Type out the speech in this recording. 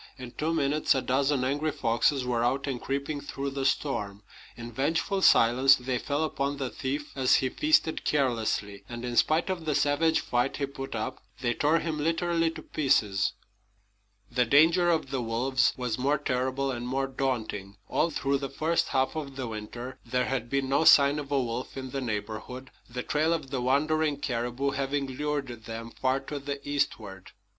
In two minutes a dozen angry foxes were out and creeping through the storm. In vengeful silence they fell upon the thief as he feasted carelessly; and in spite of the savage fight he put up, they tore him literally to pieces. [Illustration: "He found the wolverine head downward in his choicest cellar."] The danger of the wolves was more terrible and more daunting. All through the first half of the winter there had been no sign of a wolf in the neighborhood, the trail of the wandering caribou having lured them far to the eastward.